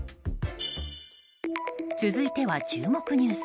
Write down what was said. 続いては注目ニュース。